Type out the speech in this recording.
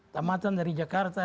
tamatan dari jakarta